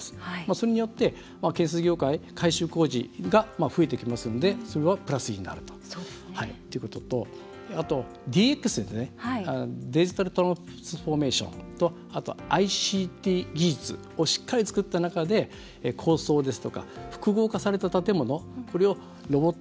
それによって建設業界改修工事が増えてきますのでそれはプラスになるということとあとＤＸ＝デジタルトランスフォーメーションとＩＣＴ技術をしっかり作った中で高層ですとか複合化され建物